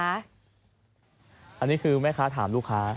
อันนี้คือแม่ค้าถามลูกค้า